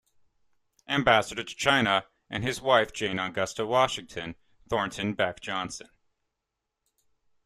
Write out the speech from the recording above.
Ambassador to China and his wife Jane Augusta Washington Thornton Beck Johnson.